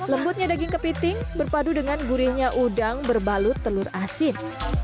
lembutnya daging kepiting berpadu dengan gurihnya udang berbalut telur asin